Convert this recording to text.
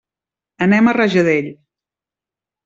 Anem a Rajadell.